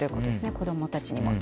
子供たちにも。